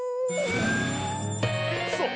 そう。